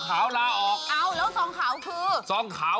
ยังไง